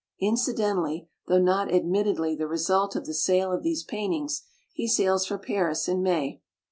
Incidentally, though not admittedly the result of the sale of these paintings, he sails for Paris in May."